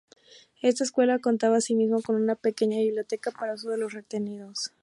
Esta escuela contaba, asimismo, con una pequeña biblioteca para uso de los retenidos.